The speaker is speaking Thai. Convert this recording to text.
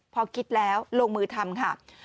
พอคิดแล้วลงมือทำค่ะ